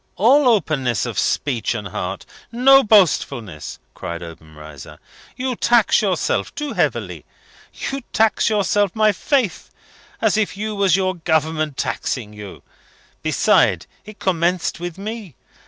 "All openness of speech and heart! No boastfulness!" cried Obenreizer. "You tax yourself too heavily. You tax yourself, my faith! as if you was your Government taxing you! Besides, it commenced with me.